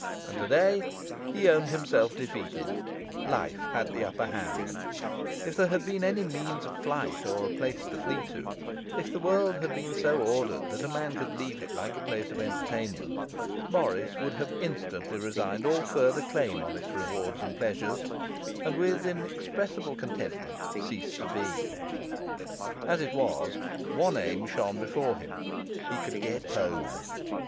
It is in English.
And today he owned himself defeated: life had the upper hand; if there had been any means of flight or place to flee to, if the world had been so ordered that a man could leave it like a place of entertainment, Morris would have instantly resigned all further claim on its rewards and pleasures, and, with inexpressible contentment, ceased to be. As it was, one aim shone before him: he could get home.